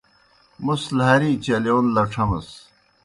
موْس لھاریْ چلِیون لڇھمَس۔